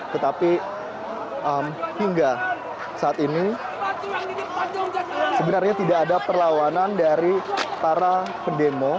tetapi hingga saat ini sebenarnya tidak ada perlawanan dari para pendemo